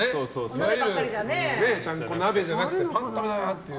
いわゆるちゃんこ鍋じゃなくてパン食べたいなっていう。